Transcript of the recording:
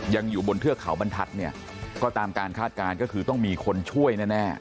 ยังอยู่บนเทือกเขาบรรทัศน์เนี่ยก็ตามการคาดการณ์ก็คือต้องมีคนช่วยแน่